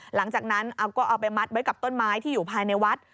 หลังจากนั้นก็เอาไปมัดไว้กับต้นไม้ที่อยู่ภายในวัด